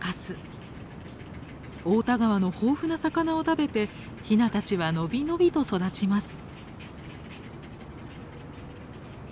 太田川の豊富な魚を食べてヒナたちは伸び伸びと育ちます。